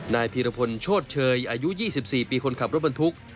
นายพีรพลโชดเชยอายุ๒๔ปีคนขับรถบรรทุก